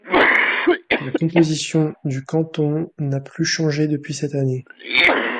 La composition du canton n'a plus changé depuis cette date.